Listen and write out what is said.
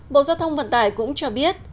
bộ giao thông vận tải cũng cho biết